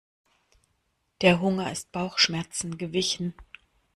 Der Hunger ist Bauchschmerzen gewichen.